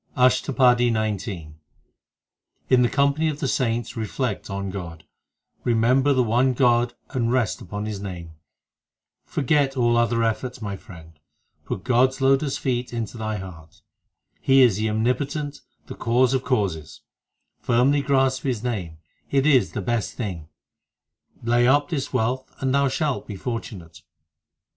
ASHTAPADI XIX i In the company of the saints reflect on God ; Remember the one God and rest upon His name ; Forget all other efforts, my friend ; Put God s lotus feet into thy heart ; He is the Omnipotent, the Cause of causes ; Firmly grasp His name ; it is the best thing ; Lay up this wealth and thou shalt be fortunate.